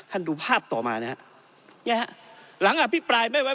ท่านดูภาพต่อมานะฮะเนี้ยฮะหลังอ่ะพี่ปลายไม่ไว้